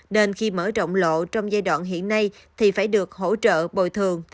nên khi mở rộng lộ trong giai đoạn hiện nay thì phải được hỗ trợ bồi thường